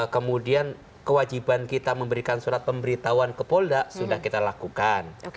kemudian kewajiban kita memberikan surat pemberitahuan ke polda sudah kita lakukan